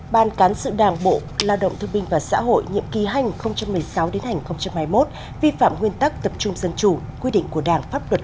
một mươi một ban cán sự đảng bộ lao động thương minh và xã hội nhiệm kỳ hành hai nghìn một mươi sáu hai nghìn hai mươi một vi phạm nguyên tắc tập trung dân chủ quy định của đảng pháp luật